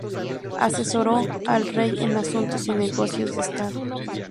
Asesoró al rey en asuntos y negocios de Estado.